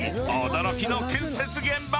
驚きの建設現場。